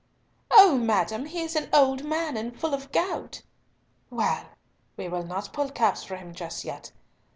"O madam, he is an old man and full of gout!" "Well! we will not pull caps for him just yet.